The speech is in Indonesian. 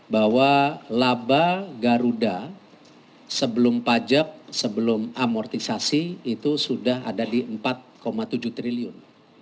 bahwa laba garuda sebelum pajak sebelum amortisasi itu sudah ada di empat tujuh triliun